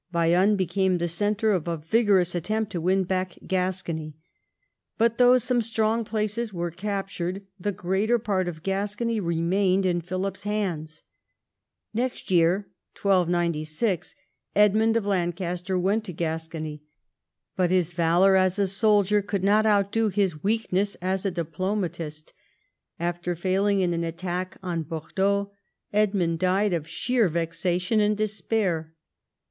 Bayonne became the centre of a vigorous attempt to win back Gascony ; but though some strong places were captured, the greater part of Gascony re mained in Philip's hands. Next year (1296) Edmund of Lancaster went to Gascony, but his valour as a soldier could not undo his weakness as a diplomatist. After fail ing in an attack on Bordeaux, Edmund died of sheer vexa tion and despair.